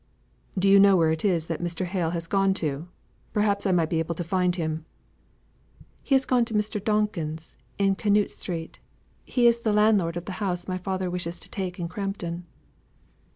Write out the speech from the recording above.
"Do you know where it is that Mr. Hale has gone to? Perhaps I might be able to find him." "He has gone to a Mr. Donkin in Canute Street. He is the landlord of the house my father wishes to take in Crampton."